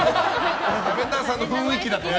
ラベンダーさんの雰囲気だとね。